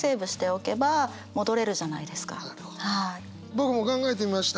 僕も考えてみました。